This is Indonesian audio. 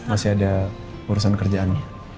masih ada urusan kerjaan